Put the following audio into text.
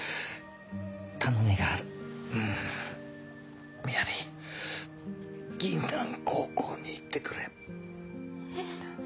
頼みがあるみやび銀杏高校に行ってくれえっ？